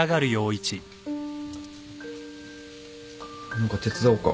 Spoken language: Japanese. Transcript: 何か手伝おうか？